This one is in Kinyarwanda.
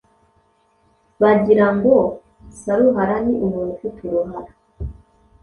bagira ngo Saruhara ni umuntu ufite uruhara!